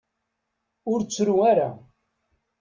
Ur ttru ara.